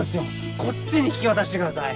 こっちに引き渡してください。